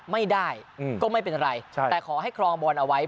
ไม่ได้ก็ไม่เป็นอะไรแต่ขอให้ครองบอลลูกเท่าไหร่ไหร่ไว้